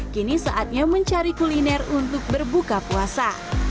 kini saatnya mencari kuliner untuk berbuka puasa